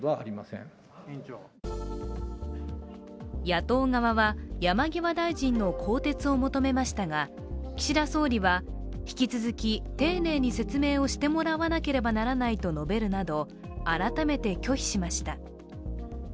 野党側は山際大臣の更迭を求めましたが岸田総理は引き続き丁寧に説明をしてもらわなければならないと述べるなど改めて拒否しました。